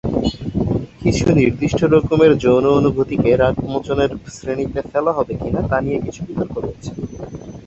কিছু নির্দিষ্ট রকমের যৌন অনুভূতিকে রাগমোচন এর শ্রেণীতে ফেলা হবে কিনা তা নিয়ে কিছু বিতর্ক রয়েছে।